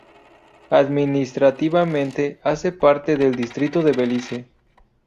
Administrativamente, hace parte del Distrito de Belice.